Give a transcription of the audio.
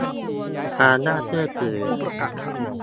ความน่าเชื่อถือ